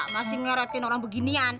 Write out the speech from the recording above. masih ngeretin orang beginian